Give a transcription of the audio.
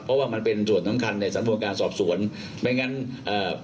เพราะว่ามันเป็นส่วนสำคัญในสำนวนการสอบสวนไม่งั้นเอ่อ